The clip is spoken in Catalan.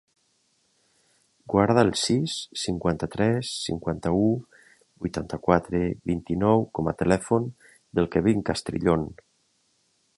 Guarda el sis, cinquanta-tres, cinquanta-u, vuitanta-quatre, vint-i-nou com a telèfon del Kevin Castrillon.